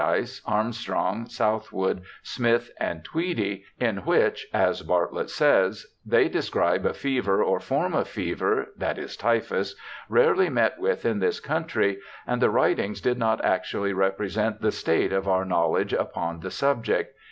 ELISHA BARTLETT 131 Armstrong, Southwood Smith, and Tweedie, in which, as Bartlett says, ' they describe a fever or form of fever (that is typhus) rarely met with in this country,' and the writings did not actually represent the state of our knowledge upon the subject.